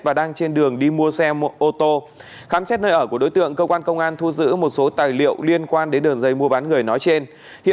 và đang trên đường đi mua bán người qua campuchia